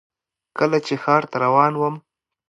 کله چې ښار ته روان وم .